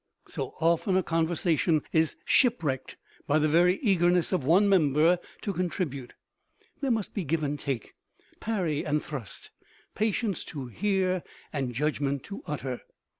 So often a conversation is shipwrecked by the very eagerness of one member to contribute. There must be give and take, parry and thrust, patience to hear and judgment to utter.